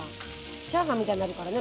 チャーハンみたいになるからね